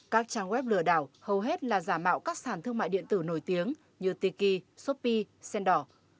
các trang web lừa đảo hầu hết là giả mạo các sản thương mại điện tử nổi tiếng như tiki shopee sendor